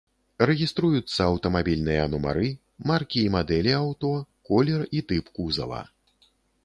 Рэгіструюцца аўтамабільныя нумары, маркі і мадэлі аўто, колер і тып кузава.